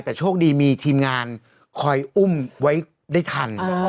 แต่โชคดีมีทีมงานคอยอุ้มไว้ได้ทัน